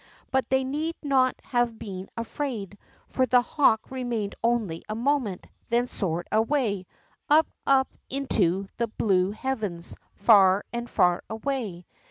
But they need not have been afraid, for the hawk remained only a moment, then soared away, up, up, into the blue heavens, far and far away.